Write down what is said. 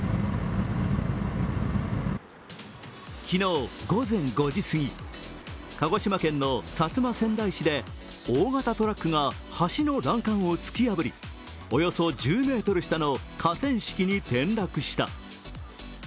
昨日午前５時すぎ、鹿児島県の薩摩川内市で大型トラックが橋の欄干を突き破りおよそ１０ｍ下の河川敷に転落した。